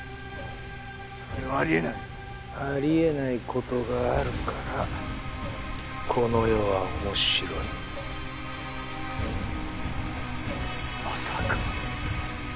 それはありえないありえないことがあるからこの世はおもしろいまさか